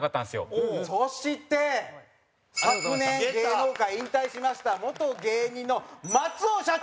蛍原：そして、昨年芸能界引退しました元芸人の松尾社長！